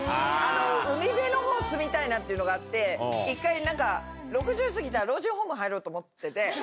海辺のほう住みたいなっていうのがあって、１回、なんか、６０過ぎたら老人ホーム入ろうと思ってて。